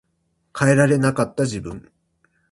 変えられなかった自分